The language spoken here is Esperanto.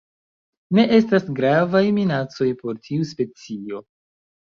Ne estas gravaj minacoj por tiu specio.